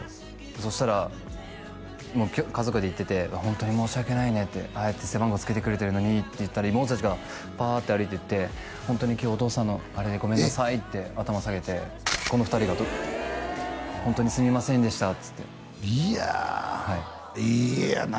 そしたら家族で行っててホントに申し訳ないねってああやって背番号つけてくれてるのにって言ったら妹達がパーッて歩いていってホントに今日お父さんのあれでごめんなさいって頭下げてこの２人がホントにすみませんでしたっつっていやいい家やな